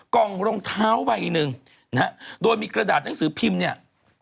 กล่องรองเท้าใบหนึ่งนะฮะโดยมีกระดาษหนังสือพิมพ์เนี่ย